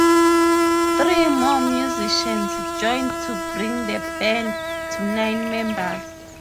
Three more musicians joined to bring the band to nine members.